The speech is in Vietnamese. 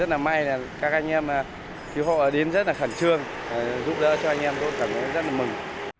rất là may là các anh em cứu hộ đến rất là khẩn trương giúp đỡ cho anh em cũng cảm thấy rất là mừng